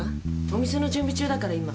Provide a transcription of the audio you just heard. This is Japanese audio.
お店の準備中だから今。